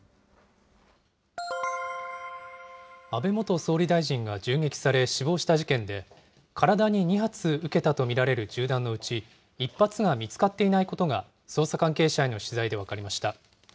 安倍元総理大臣が銃撃され、死亡した事件で、体に２発受けたと見られる銃弾のうち、１発が見つかっていないことが、捜査関係者への取材で分かりました。